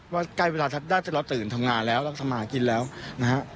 ว่าใกล้เวลาน่าจะเราตื่นทำงานแล้วเราทำมากินแล้วนะฮะ